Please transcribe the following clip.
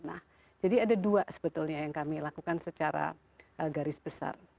nah jadi ada dua sebetulnya yang kami lakukan secara garis besar